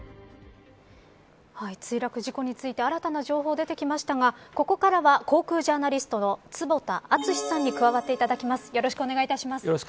墜落事故について新たな情報が出てきましたがここからは航空ジャーナリストの坪田敦史さんに加わっていただきます。